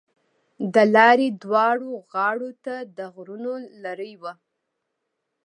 د لارې دواړو غاړو ته د غرونو لړۍ وه.